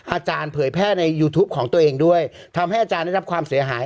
อาจารย์เผยแพร่ในยูทูปของตัวเองด้วยทำให้อาจารย์ได้รับความเสียหาย